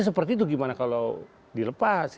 seperti itu gimana kalau dilepas